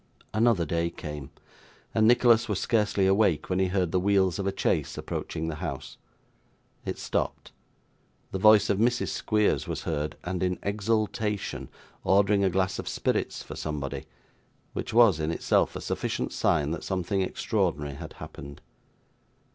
Another day came, and Nicholas was scarcely awake when he heard the wheels of a chaise approaching the house. It stopped. The voice of Mrs Squeers was heard, and in exultation, ordering a glass of spirits for somebody, which was in itself a sufficient sign that something extraordinary had happened.